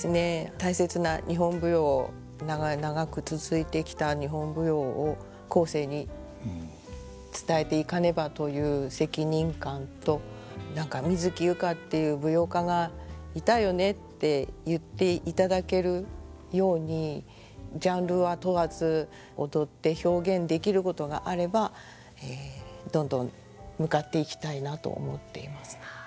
大切な日本舞踊を長く続いてきた日本舞踊を後世に伝えていかねばという責任感と何か水木佑歌っていう舞踊家がいたよねって言っていただけるようにジャンルは問わず踊って表現できることがあればどんどん向かっていきたいなと思っています。